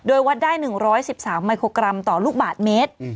โดยวัดได้หนึ่งร้อยสิบสามไมโครกรัมต่อลูกบาทเมตรอืม